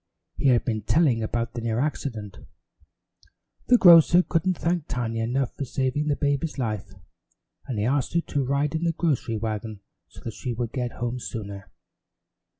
He had been telling about the near accident. The grocer couldn't thank Tiny enough for saving the baby's life, and he asked her to ride in the grocery wagon so that she would get home sooner.